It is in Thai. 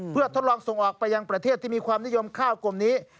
เพื่อทดลองส่งออกไปยังประเทศที่มีความนิยมข้าวกลุ่มนี้